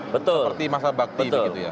seperti masa bakti